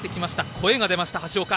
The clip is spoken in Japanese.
声が出ました橋岡。